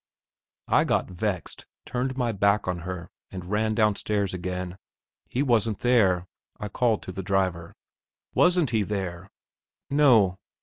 I got vexed, turned my back on her, and ran downstairs again. "He wasn't there," I called to the driver. "Wasn't he there?" "No.